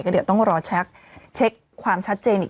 เดี๋ยวต้องรอเช็คความชัดเจนอีก